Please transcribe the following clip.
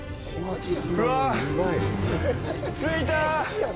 うわぁ、着いた！